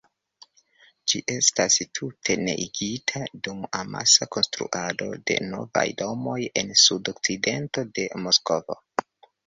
Ĝi estas tute neniigita dum amasa konstruado de novaj domoj en sud-okcidento de Moskvo.